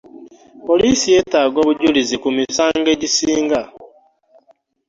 Poliisi yetaaga obujulizi ku misango egisinga.